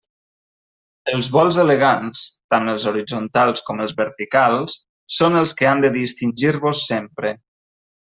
Els vols elegants, tant els horitzontals com els verticals, són els que han de distingir-vos sempre.